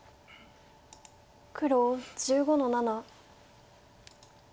黒１５の七。